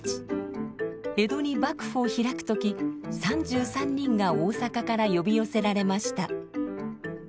江戸に幕府を開く時３３人が大阪から呼び寄せられました。